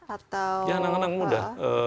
atau anak anak muda